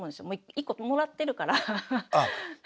もう１個もらってるから。